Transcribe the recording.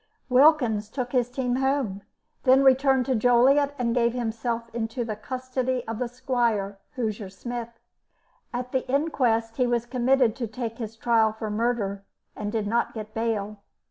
Wilkins took his team home, then returned to Joliet and gave himself into the custody of the squire, Hoosier Smith. At the inquest he was committed to take his trial for murder, and did not get bail.